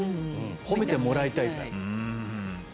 褒めてもらいたいから。